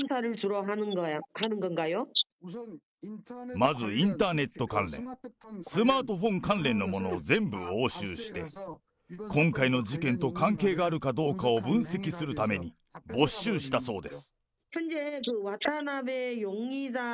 まずインターネット関連、スマートフォン関連のものを全部押収して、今回の事件と関係があるかどうかを分析するために没収したそうです。